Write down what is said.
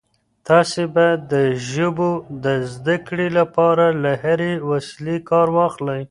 تاسي باید د ژبو د زده کړې لپاره له هرې وسیلې کار واخلئ.